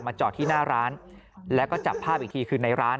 จอดที่หน้าร้านแล้วก็จับภาพอีกทีคือในร้าน